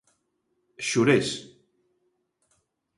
Xurés.